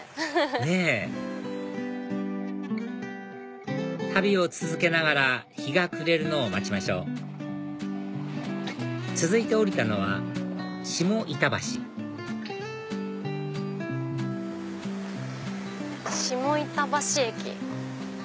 ねぇ旅を続けながら日が暮れるのを待ちましょう続いて降りたのは下板橋下板橋駅。